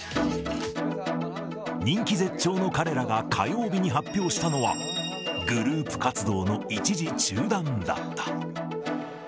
人気絶頂の彼らが火曜日に発表したのは、グループ活動の一時中断だった。